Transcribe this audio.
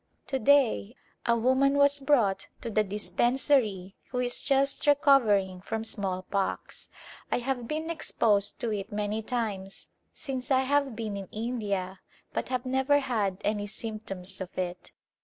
To day a woman was brought to the dispensary who is just recovering from smallpox. I have been exposed to it many times since I have been in India but have never had any symptoms of it.